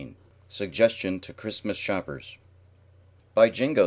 XVII SUGGESTION TO CHRISTMAS SHOPPERS "By Jingo!"